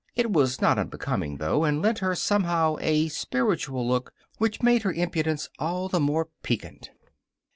It was not unbecoming, though, and lent her, somehow, a spiritual look which made her impudence all the more piquant.